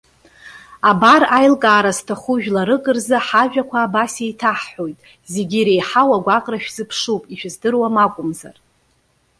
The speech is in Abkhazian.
Абар аилкаара зҭаху жәларык рзы ҳажәақәа абас иеиҭаҳҳәоит: зегьы иреиҳау агәаҟра шәзыԥшуп, ишәыздыруам акәымзар!